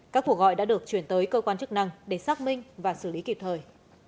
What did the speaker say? các cuộc gọi đã được chuyển tới cơ quan chức năng để xác minh và xử lý kịp thời